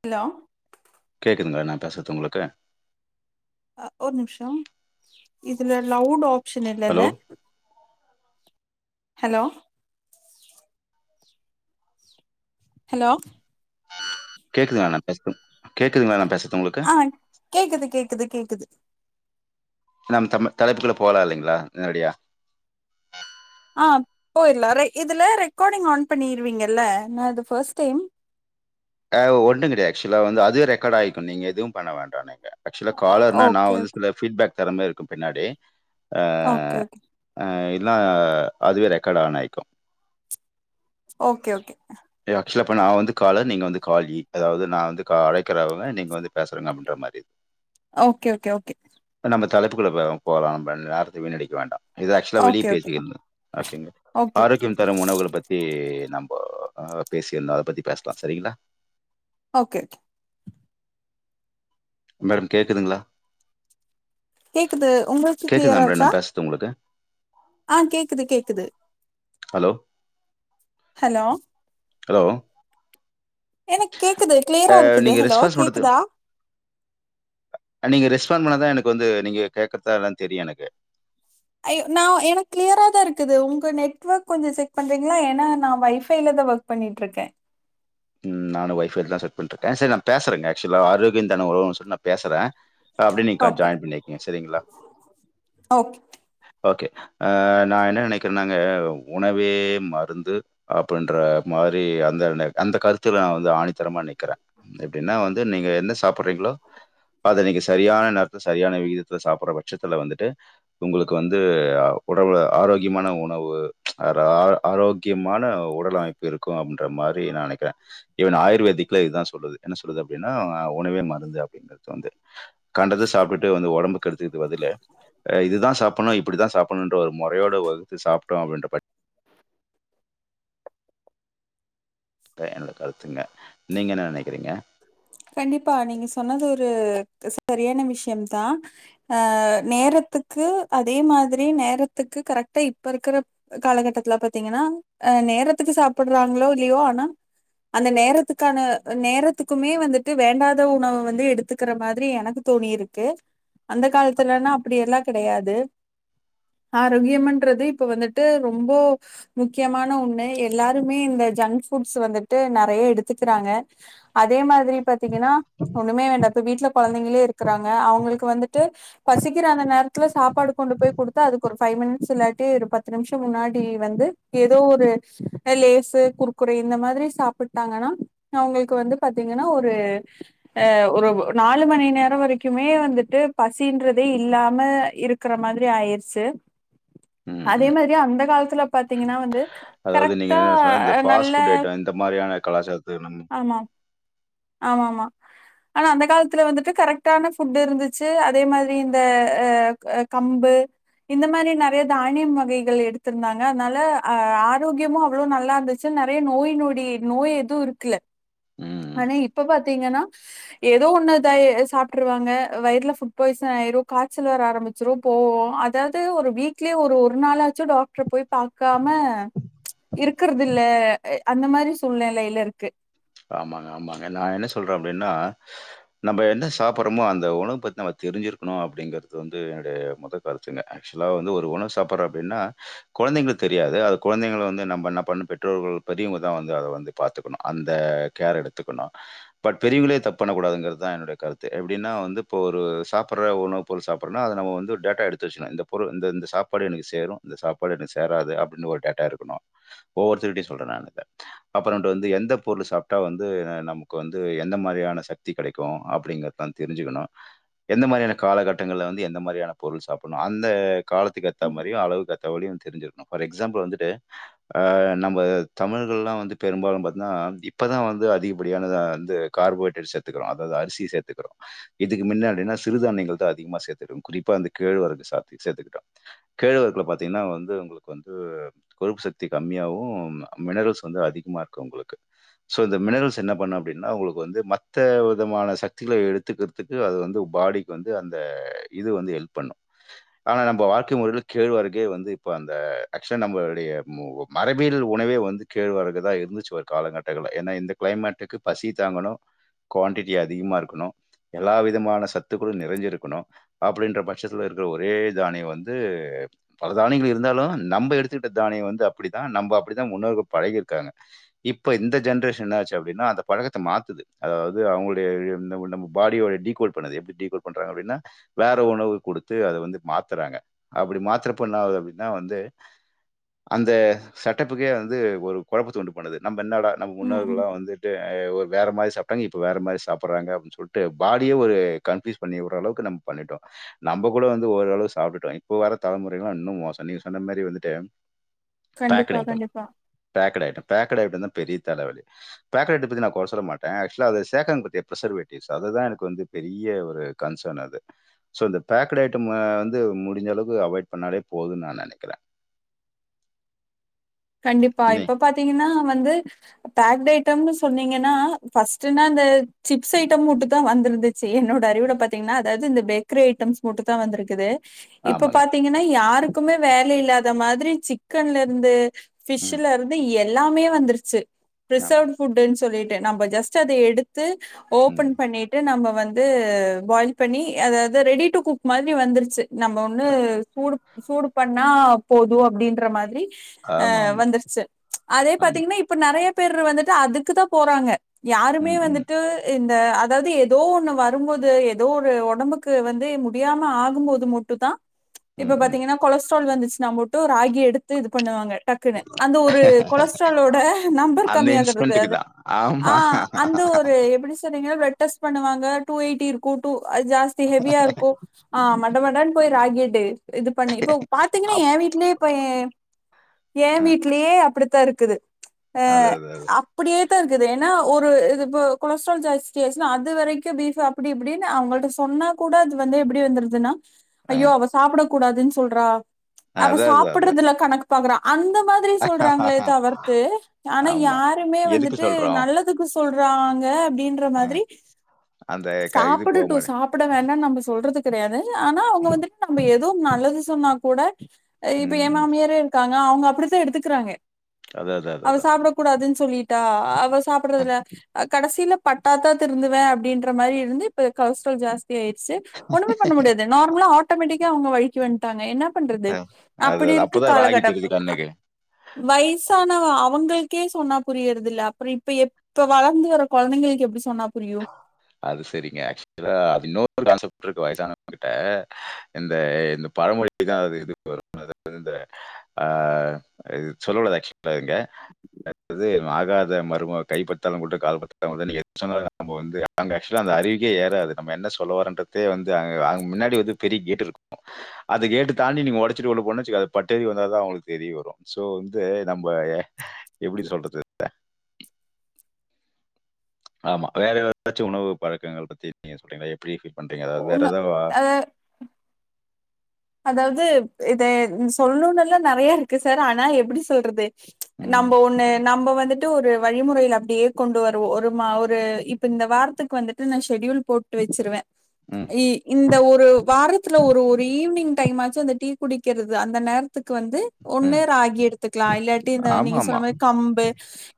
Hello கேக்குதுங்ளா நா பேசறது ஒங்ளுக்கு ஒரு நிம்ஷோ இதுல லவுடோ ஆப்ஷன் இல்லல ஹலோ ஹலோ ஹலோ கேக்குதுங்ளா நா பேசற்து கேக்குதுங்ளா நா பேச ஆஹ் கேக்குது கேக்குது கேக்குது நம் த தலைப்புக்குள்ள போலா இல்லைங்களா நேரடியா ஆ பொயிர்லா இதுல ரெக்கார்டிங் ஆன் பண்ணிருவீங்கல்ல நா இது பஸ்ட் டைம் ஆஹ் ஒன்னு கெடையாது ஆக்சுவ்லா வந்து அதுவே ரெக்கார்ட் ஆயிக்கு நீங்க எதுவு பண்ண வேண்டா நீங்க ஆக்சுவ்லா காலர்னா நா ஓகே வந்து சில ஃபீட்பேக் தெறந்தே இருக்கு பின்னாடி ஓகே ஓகே ன்னா அதுவே ரெக்கார்ட் ஆன் ஆய்க்கு ஓகே ஓகே ஆக்சுவலா இப்ப நா வந்து காலர் நீங்க வந்து காலி அதாவது நா வந்து அழைக்கறவே நீங்க வந்து பேசுறங்க அப்டின்ற மாரி ஓகே ஓகே ஓகே நம்ப தலைப்புகுள்ள பே போலான் நேரத்த வீணடிக்க வேண்டா இது ஆக்சுவலா வெளிய ஓகே ஓகே ஓகே பேசிகிறனு ஓகேங்க ஓகே ஆரோக்கியம் தரும் உணவுகள பத்தி நம் ஆஹ் பேசிர்லா அத பத்தி பேஷ்லா சரிங்களா ஓகே ஓகே மேடம் கேக்குதுங்ளா? கேக்குது ஒங்ளுக்கு கிளியரா மேடம் இருக்கா? நான் பேசுறது உங்களுக்கு ஆஹ் கேக்குது கேக்குது ஹலோ ஹலோ ஹலோ எனக்கு கேக்குது கிளியரா அஹ், இருக்குது நீங்க ஹலோ ரெஸ்பான்ஸ் பண்ணுறது கேக்குதா? நீங்க ரெஸ்பாண்ட் பண்ணாதா எனக்கு வந்து நீங்க கேக்றதா என்னனு தெரியு எனக்கு அய்யோ நா எனக் கிளியரா தா இருக் குது ஒங்க நெட்வொர்க் கொஞ்ஜோ செக் பண்றீங்ளா? ஏன்னா நா வைஃபைவ்ல தா ஒர்க் பண்ணிட்ருக்கே. உம் நானு வைஃபைவ்ல தா செட் பண்ணிட்ருக்கே சரி நா பேசறேங்க ஆக்சுவலா ஆரோக்யோ தன உணவு சொல்ட் நா பேசறே அப்டி நீங்கா ஓகே ஜாயின் பண்ணிக்கங்க சரிங்ளா? ஓகே ஓகே அஹ நா என்ன நெனைக்கிறேனாங்க உணவே மருந்து அப்டின்ற மாரி அந்த அந்த கருத்துல நா வந்து ஆணித்தரமா நிக்கிறே எப்டின்னா வந்து நீங்க என்ன சாப் ட்றீங்களோ அத நீங்க செ சரியான நேரத்துல சரியான விகிதத்தில சாப்ட்ற பட்சத்துல வந்துட்டு உங்ளுக்கு வந்து உணவு ஆரோக்கியமான உணவு, ஆரா ஆரோக்கியமான உடலமைப்பு இருக்கூ அப்டின்ற மாத் ரி நா நெனெக்றே ஈவன் ஆயுர்வேதிக்ல இதுதா சொல்லுது என்ன சொ ல்லுது அப்டின்னா உணவே மருந்து அப்டிங்கிறது வந்து கண்டத சாப்டுட்டு வந்து ஒடம்பு கெடுத்துக்கது பதிலு அ இதுதா சாப்புட்ணு இப்டிதா சாப்புட்ணுன்ற ஒரு மொறையோட வகுத்து சாப்ட்டோ அப்டின்ற பட்ச் த என்னோட கருத் துங்க. நீங்க என்ன நெனைக்கிறீங்க? ரு சரியான விஷ்யம் தா. ஆ நேரத்துக்கு அதே மாத்ரி நேரத்துக்கு கரெக்ட்டா இப்பருக்ற காலகட்டத்துல பாத்தீங்கன்னா அ நேரத்துக்கு சாப்ட்றாங்களோ இல்லையோ ஆனா அந்த நேரத்துக்கான நேரத்துக்குமே வந்துட்டு வேண்டாத உணவ வந்து எடுத்துக்ற மாதிரி எனக்கு தோணியிருக்கு. அந்த காலத்துலல்லா அப்டியெல்லா கெடையாது. ஆரோக்கியமென்றது இப்ப வந்துட்டு ரொம்போ முக்கியமான ஒன்னு. எல்லாருமே இந்த ஜங்க் ஃபுட்ஸ் வந்துட் டு நெறைய எடுத்துக்றாங்க அதே மாத்ரி பாத்தீங்கன்னா ஒன்னுமே வேண்டா இப்ப வீட்ல கொழந்தைங்ளே இருக்றாங்க அவங்களுக்கு வந்துட்டு பசிக்கிற அந்த நேரத்துல சாப்பாடு கொண்டு போய் கொடுத்தா அதுக்கு ஒரு ஃபை மினிட்ஸ் இல்லாட்டி ஒரு பத்து நிமிஷோ முன்னாடி வந்து ஏதோ ஒரு லேசு குர்குரே இந்த மாத்ரி சாப்பிட்டாங்ன்னா அவங்களுக்கு வந்து பாத்தீங்கன்னா ஒரு ஆ ஒரு நாலு மணி நேரோ வரைக்குமே வந்துட்டு பசின்றதே இல்லாம இருக்ற மாத்ரி ஆயிருச்சி ம், அதே ம். மாரி அந்த காலத் தில பாத்தீங்கன்னா வந்து அதாவது நீங்க கரெக்டா சொன்ன இந்த நல்ல ஃபாஸ்ட்ஃபுட் ஐட்டோ இந்த மாரியான கலாச்சாரத்த நம் ஆமா ஆமா ஆனா அந்த காலத்துல வந்துட்டு கரெக்ட்டான ஃபுட் இருந்துச்சு அதே மாத்ரி இந்த அ கம்பு இந்த மாரி நெறைய தானியம் வகைகள் எடுத்திருந்தாங்க அத்னால அ ஆரோக்கியமூ அவ்ளோ நல்லாருந்துச்சு நெறைய நோய் நொடி நோய் எதுவூ இருக்ல ம். ஆனா இப்ப பாத்தீங்கன்னா ஏதோ ஒன்னு இதாயி சாப்ட்ருவாங்க வயிறுல ஃபுட் பாய்ஸன் ஆயிரூ காச்சல் வர ஆரம்பிச்சிரூ போ அதாவ்து ஒரு வீக்லி ஒரு ஒரு நாளாச்சு டாக்டர போய் பாக்காம இருக்றதில்ல அந்த மாரி சூழ்நெலெயிலருக்கு ஆமாங்க ஆமாங்க நா என்ன சொல்றே அப்டின்னா நம்ம என்ன சாப்பட்றோமோ அந்த உணவு பத்தி நம்ம தெரிஞ்சிருக்கணூ அப்டிங்கறது வந்து என்னுடைய மொத கருத்துங்க ஆக்சுவலா வந்து ஒரு உணவு சாப்பட்றோ அப்டின்னா கொழந்தைங்ளுக்கு தெரியாது அது கொழந்தைங்க வந்து நம்ம என்னா பண்ணாபன் பெற்றோர்கள் பெரியவங்க தா வந்து அத வந்து பாத்துக்கணூ அந் த கேர் எடுத்துக்கணூ பட் பெரியவங்ளே தப்பு பண்ணக் கூடாதுங்றதா என்னுடைய கருத்து எப்டின்னா வந்து இப்ப ஒரு சாப்பட்ற உணவுப்பொருள் சாப்பட்றோனா அது நம்ம வந்து ஒரு டேடா எடுத்து வச்சிரணூ இந்த பொருள் இந்த இந்த சாப்பாடு எனக்கு சேரூ இந்த சாப்பாடு எனக்கு சேராது அப்டின் ஒரு டேடா எடுக்கணூ ஒவ்வொருத்தர் கிட்டயூ சொல்றே நா இத அப்றோன்ட்டு வந்து எந்த பொருள் சாப்ட்டா வந்து நமக்கு வந்து எந்த மாரியான சக்தி கெடெக்கூ அப்டிங்கிறதா தெரிஞ்சிக்கணூ எந்த மாரியான காலகட்டங்கள்ல வந்து எந்த மாரியான பொருள் சாப்டணூ அந்த காலத்துக்கேத்தா ம் மாரியூ அளவுக்கேத்தபடியூ தெரிஞ்சுர்க்கணூ ஃபார் எக்ஸாம்பிள் வந்துட்டு நம்ம தமிழர்கள்லா வந்து பெரும்பாலூ பாத்தன்னா இப்பதா வந்து அதிகப்படியானதா வந்து கார்போஹைட்ரேட் சேத்துக்கிறோ அதாது அரிசி சேத்துக்கிறோ இதுக்கு மின்னாடினா சிறுதானியங்கள் தா அதிகமா சேத்துக்கு குறிப்பா அந்த கேழ்வரகு ச சேத்துக்கிட்டோ. கேழ்வரகுல பாத்தீங்ன்னா வந்து ஒங்களுக்கு வந்து கொழுப்பு சக்தி கம்மியாவூ மினரல்ஸ் வந்து அதிகமாருக்கு ஒங்களுக்கு. ஸோ இந்த மினரல்ஸ் என்ன பண்ணூ அப்டின்னா ஒங்களுக்கு வந்து மத்த விதமான சக்திகள எடுத்துக்கிறதுக்கு அது வந்து பாடிக்கு வந்து அந்த இது வந்து ஹெல்ப் பண்ணூ ஆனா நம்ம வாழ்க்கை முறையில கேழ்வரகே வந்து இப்ப அந்த ஆக்சுவலா நம்மளுடைய மரபியல் உணவே வந்து கேழ்வரகுதா இருந்துச்சு ஒரு காலகட் டகுல ஏனா இந்த கிளைமேட்டுக்கு பசி தாங்கணு குவான்டிட்டி அதிகமாருக்கணு எல்லா விதமான சத்துக்களூ நிறஞ்சிருக்கணு அப்டின்ற பட்சத்துல இருக்கிற ஒரே தானியோ வந்து பல தானியங்கள் இருந்தாலூ நம்ம எடுத்துக்கிட்ட தானியோ வந்து அப்டித்தா நம்ம அப்டித்தா முன்னோர்கள் பழகிருக்காங்க இப் போ இந்த ஜென்ரேஷன் என்னாச்சு அப்டின்னா அந்த பழக்கத்த மாத்துது அதாவ்து அவேங்களுடைய நம்ம நம்ம பாடியோ டீகோட் பண்ணுது எப்டி டீகோட் பண்ணுறாங்க அப்டின்னா வேற உணவு குடுத்து அத வந்து மாத்துறாங்க அப்டி மாத்துறப்போ என்னாவுது அப்டின்னா வந்து அந்த செட்டப்புக்கே வந்து ஒரு கொழப்பத்த உண்டு பண்ணுது மென்னடா நம்ம ம் ம் முன்னோர்களா வந்துட்டு ஒரு வேற மாரி ஸ் சாப்ட்டாங்க இப்ப வேற மாரி சாப்பறாங்க அப்டின் சொல்லிட்டு பாடியே ஒரு கன்ஃப்யூஸ் பண்ணி உட்றளவுக்கு நம்ம பண்ணிட்டோ நம்ம கூட வந்து ஓரளவு சாப்பட்டுட்டோ இப்போ வர தலைமுறைல்லா இன்னூ மோசோ நீங்க சொன்ன மாரி வந்துட்டு பேக்டு கண்டிப்பா ஐட்டம் கண்டிப்பா பேக்டு ஐட்டம் பேக் டு ஐட்டந்தா பெரிய தலவலி பேக்டு ஐட்டம் பத்தி நா கொற சொல்ல மாட்டே ஆக்சுலா அது சேக்கன் வித் பிரசர்வேட்டிவ் அதுதா எனக்கு பெரிய ஒரு கன்சன் அது இந்த பேக்டு ஐட்டம் வந்து முடிஞ்சளவுக்கு அவாய்ட் பண்ணாலே போதுன் நா நெனைக்கிறே கண்டிப்பா இப்ப பாத்தீங்கன்னா வ ந்து பேக்டு ஐட்டம்னு சொன்னீங்கன்னா ஃபஸ்ட்டுனா இந்த சிப்ஸ் ஐட்டம் மட்டுந்தா வந்திருந்துச்சு என்னோட அறிவுல பாத்தீங்கன்னா அதாவ்து இந்த பேக்கரி ஐட்டம்ஸ் மட்டுந்தா வந்திருக்குது இப்ப ஆமாங்க பாத்தீங்கன்னா யாரு க்குமே வேல இல்லாத மாத்ரி சிக்கன்லருந்து ம் ஃபிஷ்லருந்து எத் எல்லாமே வந்துருச்சு ஆமா பிரிசர்வ்டு ஃபு்ட்டுன் சொல்லிட்டு நம்ம ஜஸ்ட் அத எடுத் து ஓபன் ம் பண்ணிட்டு நம்ம வந்து பாயில் பண்ணி அதாவது ரெடி டு குக் மாதிரி வந்துருச்சு நம்ம ஒண்ணு சூடுப் சூடு பண்ணா போதும் அப்படின்ற மாதிரி ஆ ஆமா ஆமா வந்துருச்சு அதே ஆமா பாத்தீங்கன்னா இப்ப நிறைய பேர் வந்துட்டு அதுக்கு தான் போறாங்க யாருமே ம் ம் வந்துட்டு இந்த அதாவது ஏதோ ஒண்ணு வரும்போது ஏதோ ஒரு உடம்புக்கு வந்து முடியாம ஆகும்போது மட்டுும் தான் இப்ப ம் ம் பாத்தீங்கன்னா கொலஸ ரோல் வந்துச்சு நா போட்டுும் ராகி எடுத்து இது பண்ணுவாங்க டக்குன்னு அந்த ஒரு கொலஸ்ட்ரலோட நம்பர் அந்த கம்மியாகுதுக்கு இன்ஸ்டன்ட்டுக்கு அது தான் ஆ ஆமா அந்த ஒரு எப்படி சொன்னீங்க ப்ளட் டெஸ்ட் பண்ணுவாங்க டு எயிடி இருக்கும் டு ஜாஸ்தி ஹெவியா இருக்கும் ஆ மட மடன்னு போய் ராகிட்டு இது பண்ணு இப்போ பாத்தீங்கன்னா அப் என் வீட்லயே இப்பன் ஏன் ம், வீட்லயே அப்படி தான் இருக்குது ஆ அது அது அது அப்படியே இருக்குது ஏன்னா ஒரு இது இப்ப கொலஸ்ட்ரால் ஜாஸ்தி ஆச்சுன்னா அது வரைக்கும் பீப் அப்படி இப்படின்னு அவங்கள்ட சொன்னா கூட அது வந்து எப்படி வந்துருதுன்னா ஆ, ஐயோ அவ சாப்பிட கூடாதுன்னு சொல்றா அவ அது அது அது சாப்படுறதுல கணக் பாக்கறா அந்த மாரி சொல்றாங்களே தவர்த்து ஆனா ஆமா யாருமே எதுக்கு வந்துட்டு சொல்றோம் நல்லதுக்கு சொல் ராங்க அப்டின்ற ஆ, மாரி அந்த க- இது போக சாப்படட்டும் மாட்டேன் சாப்ட வேணாம் நம்ம சொல்றதுக் தெரியாது இல்ல ஆனா அவங்க வந்துட்டு நம்ம எதுவு நல்லது சொன்னா கூட இப்ப ம் ஏ ம். மாமியாரே இருக்கா அவங்க அப்டி தா எடுத்துக்கறாங்க அது அது அது அவ அதான் சாப்ட கூடாதுன்னு சொல்லிட்டா அவ சாப்படறதில கடைசில பட்டாதா திருந்துவே அப்டின்ற மாரி இருந்து இப்ப கொலஸ்ட்ரால் ஜாஸ் தியாயிர்ச்சு ஒண்ணுமே பண்ண முடியாது நார்மலா ஆட்டோமெட்டிக் கா அவுங்க வழிக்கு வன்ட்டாங்க என்ன பண்றது அ. அது அப்டி அது இருக்கு அப்பதான் ராகி காலகடம் தெரியுது அப் கண்ணுக்கு. வயிசானா அவுங்களுக்கே சொன்னா புரியறதுல்ல அப்பறம் இப்ப எப்ப வளர்ந்து வர கொழந்தைங்களுக்கு எப்டி சொ அது செரிங்க ஆக்சுவலா அது இன்னொரு கான்செப்ட் இருக்கு வயசான ட்ட இந்த இந்த பழமொழி தா அது [unintelligible] இந்த ஆ சொல்லக் கூடாது ஆக்சுவலா இங்க ஆகாத மருமக கைப்பட்டாலு குத்தம் கால் பட்டாலு குத்தம் நீங்க சொன்ன நம்ம வந்து அங்க ஆக்சுவலா அந்த அறிவுக்கே ஏறாது நம்ம என்ன சொல்லவரன்றதே வந்து அங்க அங்க முன்னாடி வந்து பெரி கேட் இருக்கும் அது கேட்டு தாண்டி நீங்க ஒடச்சிட்டு உள்ள போன வச்சுக்கோ அது பட்டேறி வந்தா தா அவுங்களுக்கு தெரிய வரும் சோ வந்து நம்ம எப்டி சொல்றது இத ஆமா வேற ஏதாச்சும் உணவு பழக்கங்கள் பத்தி நீங்க [unintelligible] எப்டி பீல் பண்றீங்க அதாவ வேற ஒன்னு எதாவா அ அதாவது இத சொல்னுல்லா நறைய இருக்கு சார் ஆனா எப்டி சொல்றது ம். நம்ப ஒண்ணு நம்ப வந் வந்துட்டு ஒரு வழிமுறைல அப்டியே கொண்டு வருவோம் ஒரு மா ஒரு இப்ப இந்த வாரத்துக்கு வந்துட்டு நா ஷெடியயூல் போட்டு வச்சுருவேன் ம். இ இந்த ஒரு வாரத்துல ஒரு ஒரு ஈவ்னிங் ங்க் டைம் ஆச்சு அந்த டீ குடிக்கிறது அந்த நேரத்துக் க்கு வந்து ஒண்ணு ம். ராகி எடுத்துக்கலா இல்லாட்டி இந்த ஆமா, நீங்க சொன்ன ஆமா. மாரி கம்பு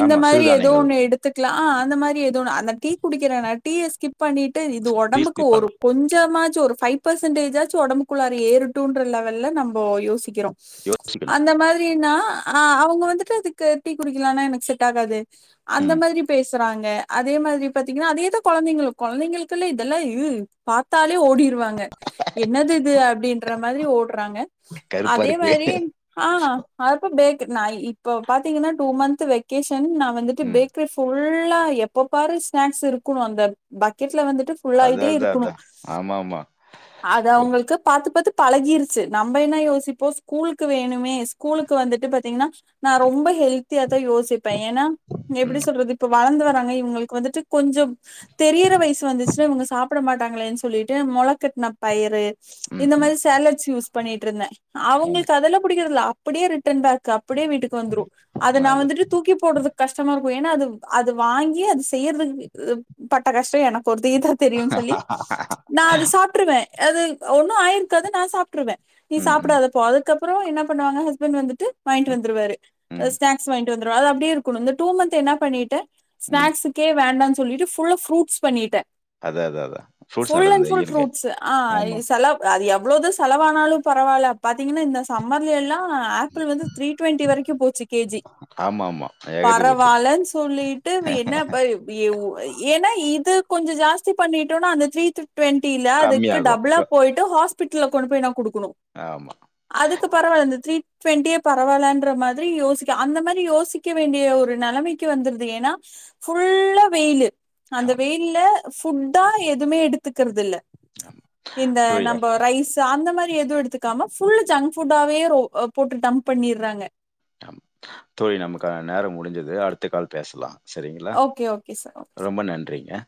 இந்த ஆமா. மாரி ஏதோ சிறுதானியங்கள் ஒண்ணு எடுத் க்கலா அந்த மாரி எதோ ஒன்னு அந்த டீ குடிக்கற அந்த டீய ஸ்கிப் ஸ்கிப் பண்ணிட்டு இது ஒடம்புக்கு டீஸ்பி ஒரு பண்ணலாம். கொஞ்ச கொஞ்சமாச்சு ஒரு ஃபைவ் பெர்சன்டேஜ் ஆச்சு ஒடம்புக்குள்ளா ற ஏறுட்டுன்ற லெவல்ல நம்போ யோசிக்கறோ யோசிக்கணும். அந்த மாதிரி நா ஆ அவங்க வந்துட்டு அதுக்கு டீ குடிக்கலனா எனக்கு செட் ஆகாது அந்த ம். மாதிரி பேச றாங்க அதே மாதிரி பாத்திங்கனா அதேதா கொழந்தைங்களு கொழந்தைங்களுக்குல இதெல்லா இ பாத்தாலே ஓடிருவாங்க என்னது அப்டின்ற மாதிரி ஓடறாங்க கருப்பா அதே இருக்கு. மாரி ஆ அப்ப பேக் நா இப்ப பாத்திங்கனா டூ மன்த் வெக்கேஷ ன் நா வந்துட்டு ம். பேக்கரி ஃபுல்லா எப்ப பாரு ஸ்நாக்ஸ் இருக்கு அந்த பக்கெட் ல வந்துட்டு ஃபுல்லாயிட்டே அதான், அதான், இருக்கணு அதான். ஆமாமா. அது அவங்களுக்கு பாத்து பாத்து பழகிருச்சு நம்ம என்ன யோசிப்போ ஸ்கூலுக்கு வேணுமே ஸ்கூலுக்கு வந்துட்டு பாத்திங்கனா நா ரொம்ப ஹெல்த்தியா யோசிப்பே ஏன்னா எப்டி ம். சொல்றது இப்ப வளர்ந்து வ இவங்களுக்கு வந்துட்டு கொஞ்சம் தெரியற வயசு வந்துச்சுன்னா இவங்க சாப்பிட மாட்டாங்களேன்னு சொல்லிட்டு மொளக்கட்டின பயிறு ம். இந்த ம். மாரி சாலட்ஸ் யூஸ் பண்ணிட்டு இருந்தே ஆமா. அவங்களுக்கு அதெல்லா புடிக்குறதுல அப்பிடியே ரிட்டர்ன் பேக் அப்பிடியே வீட்டுக்கு வந்துரு அத நா அது. வந்துட்டு தூக்கி போடுறதுக்கு கஷ்டமா இரு ஏன்னா அது அது வாங்கி அது செய்யறதுக்கு பட்ட கஷ்ட எனக்கு ஒருத்திக்குதா தெரியும்னு சொல்லி நா அத சாப்ட்டுருவ அது ஒ ஆயிருக்கது நா சாப்ட்டுருவ நீ ம். ம். சாப்பிடாத போ அதுக்கப்புறோ என்ன பண்ணுவாங்க ஹஸ்பண்ட் வந்துட்டு வாங்கிட்டு ம். வந்துருவாரு ம். ஸ்நாக்ஸ் வாங் வந்து அது அப்பிடிய இருக்கணு இந்த டூ மந்த் என்ன பண்ணிட்ட ம். ஸ்நாக்ஸுக்கே வேண்டா சொல்லிட்டு ஃபுல்ல ஃப்ரூட்ஸ் பண்ணிட்ட அத அத அதா ஃப்ரூட்ஸ் நல்லதுந்த வெயிலுக்கு ஃப்ரூட்ஸு ஆ ஆமா செல அது எவ்ளோதா செலவானாலு பரவாயில்ல பாத்தீங்கன்னா இந்த சம்மர்ல எல்லா ஆப்பிள் வந்து த்ரீ டுவெண்டி வரைக்கு போச்சு கேஜி ஆமாமா. ஏகத்துக்கு போச்சு. பரவாயில்ன்னு சொல்லிட்டு என்ன ஏன்னா இது கொஞ்சோ ஜாஸ்தி பண்ணிட்டோன்னா அந்த த்ரீ த டு்வெண்டில அதுக்கு கம்மியாகும். டபுளா க போயிட்டு ஹஸ்பிட்டல கொண்டு போய் குடு னு ஆமா, அதுக்கு பரவால இந்த த்ரீ ட்வெண்ட்டியே பரவாயலான்ற மாதிரி யோசிக்க அந்த மாரி யோசிக்க வேண்டிய ஒரு நெலைமைக்கு வந்துருது ஏன்னா ஃபுல்லா வெயிலு அந்த ஆமா, வெயில்ல ஃபுட்டா எதுவுமே எடுத்துக்குறது இல்ல ஆமா. இந்த தோழி நம்ம ரைஸ் அந்த மாரி எதுவு எடுத்துக்காம புல்ல ஜங்க் ஃபுட்டவே ரோ போட்டு டம்ப் பண்ணிறாங்க அம் தோழி நமக்கான நேரம் முடிஞ்சது அடுத்த கால் பேசலா சேரிங்களா ஓகே ஓகே சார் ரொம்ப நன்றிங்க